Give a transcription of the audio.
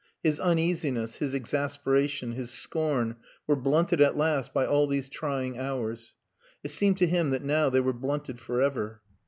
His uneasiness, his exasperation, his scorn were blunted at last by all these trying hours. It seemed to him that now they were blunted for ever.